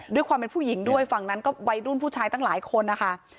ด้วยความเป็นผู้หญิงด้วยฝั่งนั้นก็วัยรุ่นผู้ชายตั้งหลายคนนะคะ